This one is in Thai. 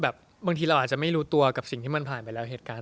บางทีเราอาจจะไม่รู้ตัวกับสิ่งที่มันผ่านไปแล้วเหตุการณ์